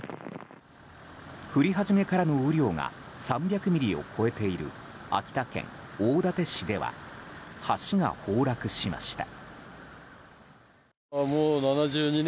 降り始めからの雨量が３００ミリを超えている秋田県大館市では橋が崩落しました。